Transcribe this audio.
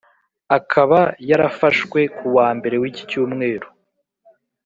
akaba yarafashwe ku wa mbere w’iki cyumweru